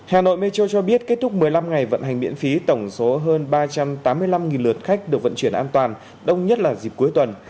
hà nội metro cho biết kết thúc một mươi năm ngày vận hành miễn phí tổng số hơn ba trăm tám mươi năm lượt khách được vận chuyển an toàn đông nhất là dịp cuối tuần